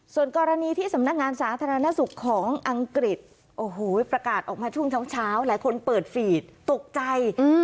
ส่วนกรณีที่สำนักงานสาธารณสุขของอังกฤษโอ้โหประกาศออกมาช่วงเช้าหลายคนเปิดฟีดตกใจ